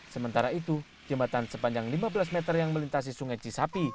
sementara itu jembatan sepanjang lima belas meter yang melintasi sungai cisapi